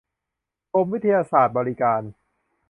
กรมวิทยาศาสตร์บริการ